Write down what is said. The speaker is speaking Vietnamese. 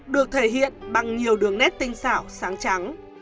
được thể hiện bằng nhiều đường nét tinh xảo sáng